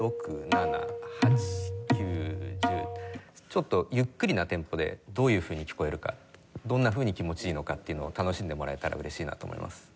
ちょっとゆっくりなテンポでどういうふうに聴こえるかどんなふうに気持ちいいのかっていうのを楽しんでもらえたら嬉しいなと思います。